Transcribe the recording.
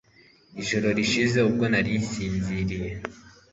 Ijoro rishize ubwo nari nsinziriye